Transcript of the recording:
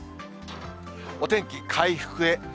お天気回復へ。